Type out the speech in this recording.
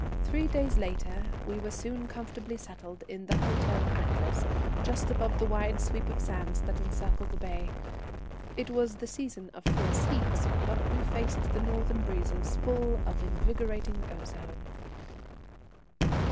Three days later we were soon comfortably settled in the Hotel Atlas, just above the wide sweep of sands that encircle the bay. It was the season of fierce heat, but we faced the northern breezes full of invigorating ozone.